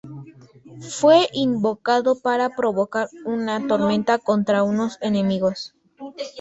Fue invocado para provocar una tormenta contra unos enemigos.